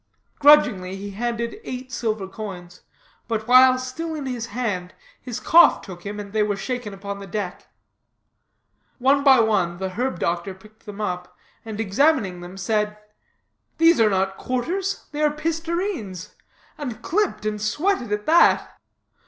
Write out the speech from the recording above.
Grudgingly he handed eight silver coins, but while still in his hand, his cough took him and they were shaken upon the deck. One by one, the herb doctor picked them up, and, examining them, said: "These are not quarters, these are pistareens; and clipped, and sweated, at that."